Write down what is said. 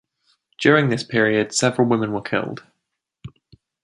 During this period, several women were killed.